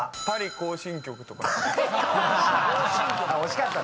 「パリ行進曲」とか。